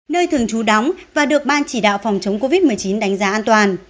nơi thường trú đóng và được ban chỉ đạo phòng chống covid một mươi chín đánh giá an toàn